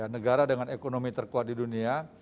negara dengan ekonomi terkuat di dunia